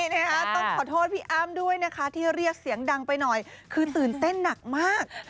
ต้องขอโทษพี่อ้ำด้วยนะคะที่เรียกเสียงดังไปหน่อยคือตื่นเต้นหนักมาก